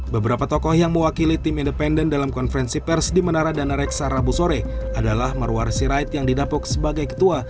beberapa tokoh yang mewakili tim independen dalam konferensi pers di menara dana reksa rabu sore adalah marwar sirait yang didapuk sebagai ketua